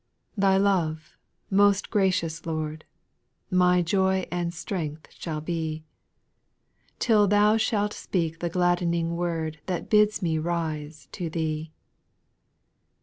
7. Thy love, most gracious Lord, My joy and strength shall be, Till Thou shalt speak the gladdening word That bids me rise to Thee.